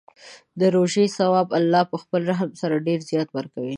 د روژې ثواب الله په خپل رحم سره ډېر زیات ورکوي.